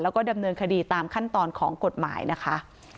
แล้วก็ดำเนินคดีตามขั้นตอนของกฎหมายนะคะ